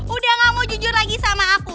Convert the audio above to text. udah gak mau jujur lagi sama aku